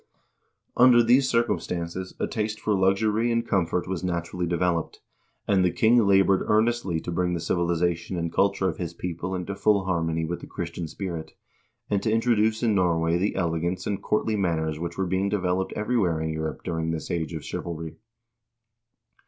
2 Under these circumstances a taste for luxury and comfort was naturally developed, and the king labored earnestly to bring the civilization and culture of his people into full harmony with the Christian spirit, and to introduce in Norway the elegance and courtly manners which were being developed everywhere in Europe during this age of chivalry.